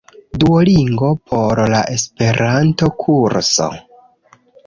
Duolingo por la Esperanto-kurso